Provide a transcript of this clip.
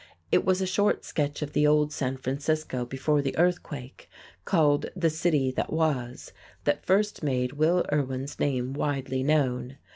It was a short sketch of the old San Francisco before the earthquake, called "The City That Was," that first made Will Irwin's name widely known.